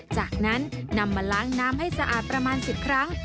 จากนั้นนำมาล้างน้ำให้สะอาดประมาณ๑๐ครั้ง